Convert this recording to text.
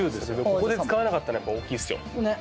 ここで使わなかったのはやっぱ大きいっすよ